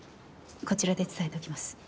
こちらで伝えておきます。